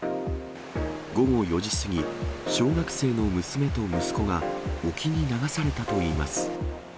午後４時過ぎ、小学生の娘と息子が沖に流されたといいます。